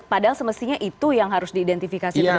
padahal semestinya itu yang harus diidentifikasi lebih baik